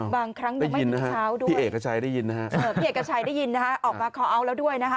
บางครั้งไม่ถึงเช้าด้วยพี่เอกชัยได้ยินนะฮะออกมาคอเอาแล้วด้วยนะฮะ